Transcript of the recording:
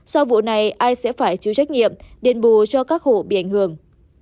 sau vụ này ai sẽ phải chịu trách nhiệm đền bù cho các hộ bị ảnh hưởng